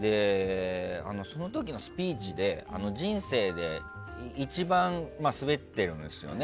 その時のスピーチで人生で一番スベってるんですよね。